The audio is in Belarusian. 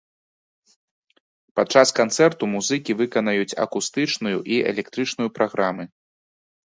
Падчас канцэрту музыкі выканаюць акустычную і электрычную праграмы.